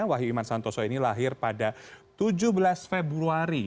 wahyu iman santoso ini lahir pada tujuh belas februari